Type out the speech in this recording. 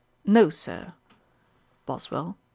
'No, Sir.' BOSWELL.